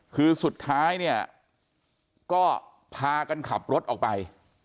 คือสุดท้ายเนี่ยก็พากันขับรถออกไป